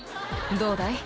どうだい？